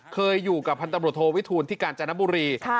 เคยอยู่กับพันตำรวจโทวิทูลที่กาญจนบุรี